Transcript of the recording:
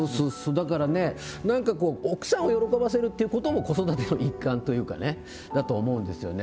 だからね何かこう奥さんを喜ばせるということも子育ての一環というかねだと思うんですよね。